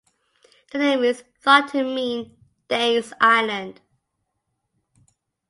The name is thought to mean "Danes' Island".